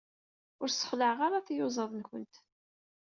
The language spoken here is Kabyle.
Ur sexlaɛeɣ ara tiyuzaḍ-nkent.